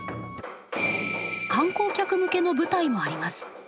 観光客向けの舞台もあります。